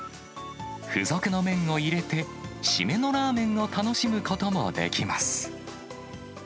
付属の麺を入れて、締めのラーメンを楽しむこともできます。